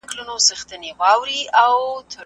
ایا هلک په رښتیا له خپلې انا څخه وېرېږي؟